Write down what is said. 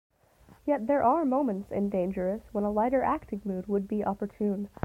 Yet there are moments in "Dangerous" when a lighter acting mood would be opportune.